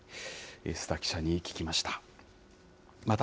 須田記者に聞きました。